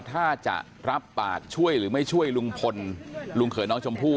ถ้าจะรับปากช่วยหรือไม่ช่วยลุงพลลุงเขยน้องชมพู่